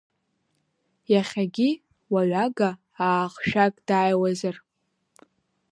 Иахьагьы, уаҩага аахшәак дааиуазар…